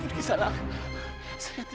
kenapa diam saja